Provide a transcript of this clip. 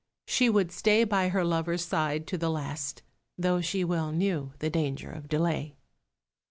She would stay by her lover's side to the last, though she well knew the danger of delay.